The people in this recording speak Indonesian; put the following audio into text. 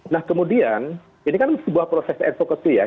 nah kemudian ini kan sebuah proses advocacy ya